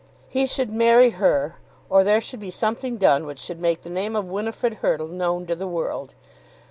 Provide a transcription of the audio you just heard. He should marry her, or there should be something done which should make the name of Winifrid Hurtle known to the world!